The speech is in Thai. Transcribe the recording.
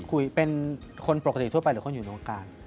คุยเป็นคนปกติทั่วไปหรือคนอยู่ในวงการ